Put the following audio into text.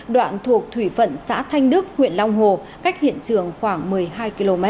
đoạn thuộc thủy phận xã thanh đức huyện long hồ cách hiện trường khoảng một mươi hai km